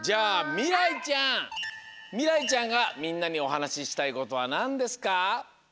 みらいちゃんがみんなにおはなししたいことはなんですか？